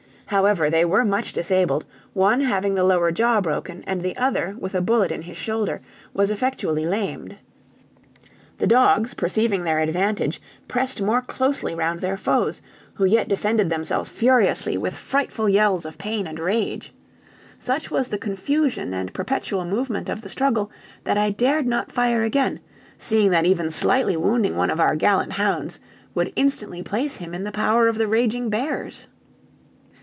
However, they were much disabled, one having the lower jaw broken, and the other, with a bullet in his shoulder, was effectually lamed. The dogs, perceiving their advantage, pressed more closely round their foes, who yet defended themselves furiously, with frightful yells of pain and rage. Such was the confusion and perpetual movement of the struggle, that I dared not fire again, seeing that even slightly wounding one of our gallant hounds would instantly place him in the power of the raging bears.